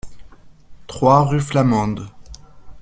trois rue Flamande